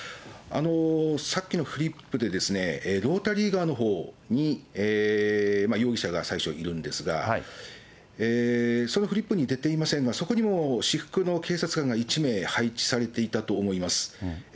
さっきのフリップで、ロータリー側のほうに容疑者が最初いるんですが、そのフリップに出ていませんが、そこにも私服の警察官が１名配置されていたと思います。